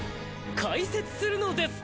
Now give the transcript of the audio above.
解説するのです！